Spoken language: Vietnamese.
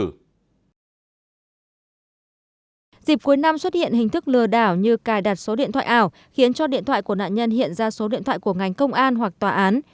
dịp cuối năm xuất hiện hình thức lừa đảo như cài đặt số điện thoại ảo khiến cho điện thoại của nạn nhân hiện ra số điện thoại của ngành công an hoặc tòa án